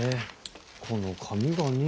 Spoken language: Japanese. この紙がねえ。